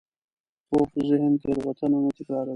پوخ ذهن تېروتنه نه تکراروي